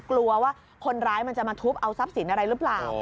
กลัวว่าคนร้ายมันจะมาทุบเอาทรัพย์สินอะไรหรือเปล่า